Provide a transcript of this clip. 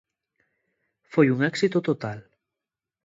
Foi un éxito total.